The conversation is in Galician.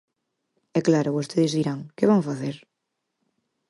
E, claro, vostedes dirán: ¿Que van facer?